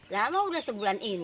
lama udah sebulan ini